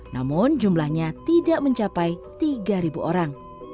namun jumlahnya tidak mencapai tiga orang